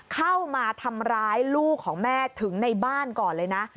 เข้ามาทำร้ายลูกของแม่ถึงในบ้านก่อนเลยนะ